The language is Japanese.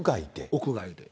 屋外で。